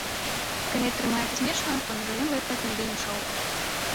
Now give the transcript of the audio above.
Калі атрымаецца смешна, то назавём гэта камедыйным шоу.